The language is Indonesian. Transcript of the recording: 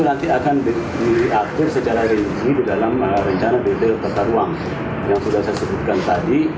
nanti akan diatur secara rinci di dalam rencana bt tata ruang yang sudah saya sebutkan tadi